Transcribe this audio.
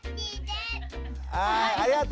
はい。